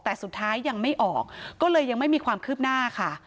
แต่สุดท้ายยังไม่ออกก็เลยยังไม่มีความคืบหน้าค่ะ